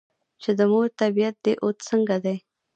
چې " د مور طبیعیت دې اوس څنګه دے ؟" ـ